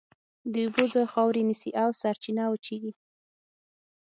د اوبو ځای خاورې نیسي او سرچینه وچېږي.